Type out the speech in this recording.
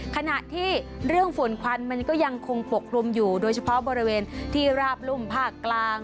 ขณะที่เรื่องฝุ่นควันมันก็ยังคงปกคลุมอยู่โดยเฉพาะบริเวณที่ราบรุ่มภาคกลาง